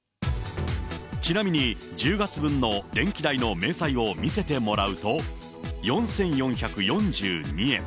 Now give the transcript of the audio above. ちなみに、１０月分の電気代の明細を見せてもらうと、４４４２円。